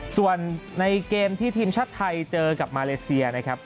ส่วนในเกมที่ทีมชาติไทยเจอกับมาเลเซียนะครับ